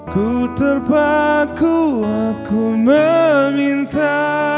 ku terpaku aku meminta